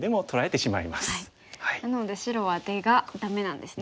なので白は出がダメなんですね。